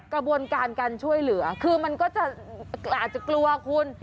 กระบวนการการช่วยเหลือคือมันก็จะอาจจะกลัวคุณ